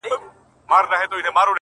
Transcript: خدايه ښه نـری بـاران پرې وكړې نن;